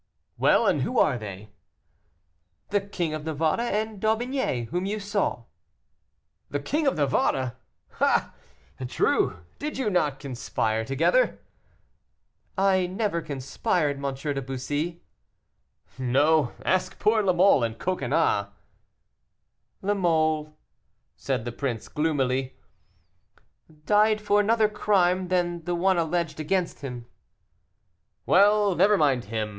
"Well, and who are they?" "The King of Navarre and D'Aubigné, whom you saw." "The King of Navarre! Ah! true, did you not conspire together?" "I never conspired, M. de Bussy." "No; ask poor La Mole and Coconnas." "La Mole," said the prince, gloomily, "died for another crime than the one alleged against him." "Well, never mind him.